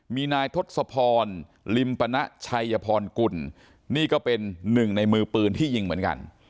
มีนายทศพรลิมปณะชัยพรกุลนี่ก็เป็นหนึ่งในมือปืนที่ยิงเหมือนกัน